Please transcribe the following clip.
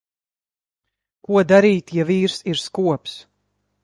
Ko darīt, ja vīrs ir skops?